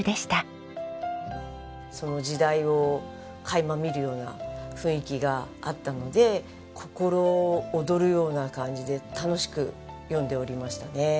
その時代を垣間見るような雰囲気があったので心躍るような感じで楽しく読んでおりましたね。